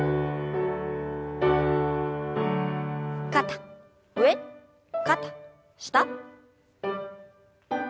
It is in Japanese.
肩上肩下。